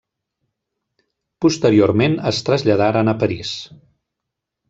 Posteriorment es traslladaren a París.